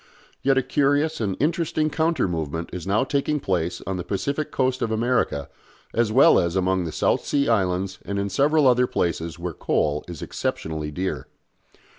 Yet a curious and interesting counter movement is now taking place on the Pacific Coast of America, as well as among the South Sea Islands and in several other places where coal is exceptionally dear.